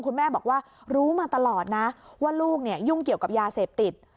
คุณแม่บอกว่ารู้มาตลอดนะว่าลูกยุ่งเกี่ยวกับยาเสพติด